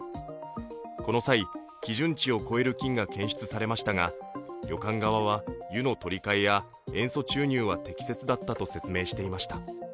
この際、基準値を超える菌が検出されましたが旅館側は湯の取り替えや塩素注入は適切だったと説明していました。